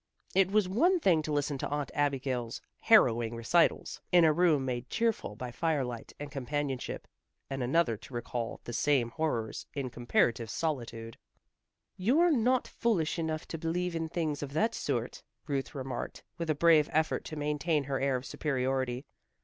It was one thing to listen to Aunt Abigail's harrowing recitals, in a room made cheerful by firelight and companionship, and another to recall the same horrors in comparative solitude. "You're not foolish enough to believe in things of that sort," Ruth remarked, with a brave effort to maintain her air of superiority.